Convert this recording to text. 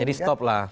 jadi stop lah